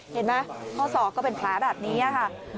เห็นไหมข้อศอกก็เป็นแผลแบบนี้ค่ะ